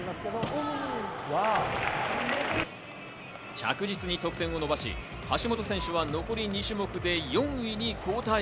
着実に得点を伸ばし、橋本選手は残り２種目で４位に後退。